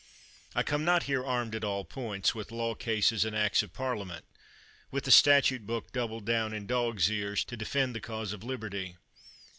I come not here armed at all points, with law cases and acts of Parliament, with the statute book doubled down in dog's ears, to defend the cause of liberty.